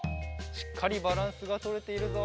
しっかりバランスがとれているぞ。